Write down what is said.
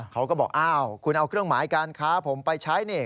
เขาก็บอกอ้าวคุณเอาเครื่องหมายการค้าผมไปใช้นี่